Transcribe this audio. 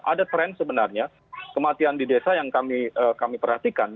ada tren sebenarnya kematian di desa yang kami perhatikan